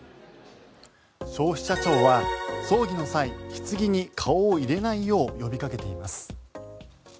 消費者庁は、葬儀の際ひつぎに顔を入れないよう呼びかけています。